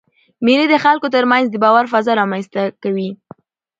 مېلې د خلکو تر منځ د باور فضا رامنځ ته کوي.